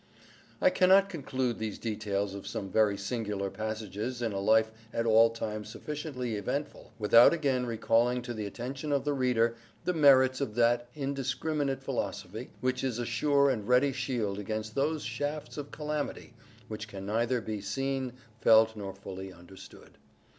I cannot conclude these details of some very singular passages in a life at all times sufficiently eventful, without again recalling to the attention of the reader the merits of that indiscriminate philosophy which is a sure and ready shield against those shafts of calamity which can neither be seen, felt nor fully understood.